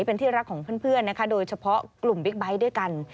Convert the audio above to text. เป็นที่รักของเพื่อนนะคะโดยเฉพาะกลุ่มบิ๊กไบท์ด้วยกัน